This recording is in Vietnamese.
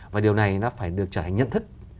và điều này nó phải được trở thành nhận thức